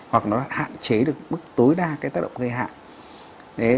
hoặc nó hạn chế được mức tối đa cái tác động gây hại